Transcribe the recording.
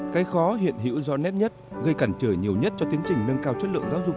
cái khó hiện hữu rõ nét nhất gây cản trở nhiều nhất cho tiến trình nâng cao chất lượng giáo dục